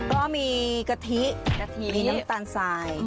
ก็มีกะทิมีน้ำตาลสาย